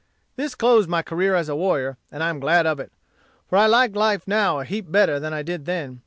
This closed my career as a warrior; and I am glad of it; for I like life now a heap better than I did then.